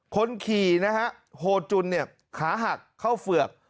คนขี่นะฮะโฮจุนเนี่ยขาหักเข้าเฝือก